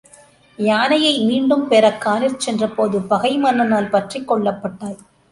யானையை மீண்டும் பெறக் கானிற் சென்றபோது பகை மன்னனால் பற்றிக் கொள்ளப்பட்டாய்!